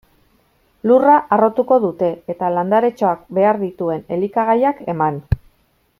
Lurra harrotuko dute, eta landaretxoak behar dituen elikagaiak eman.